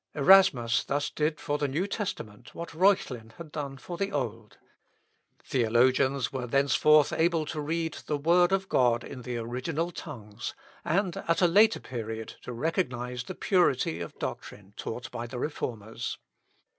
Erasmus thus did for the New Testament what Reuchlin had done for the Old. Theologians were thenceforth able to read the word of God in the original tongues, and at a later period to recognise the purity of doctrine taught by the Reformers.